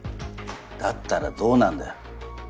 だったらどうなんだよ。